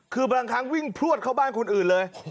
คือบางครั้งวิ่งพลวดเข้าบ้านคนอื่นเลย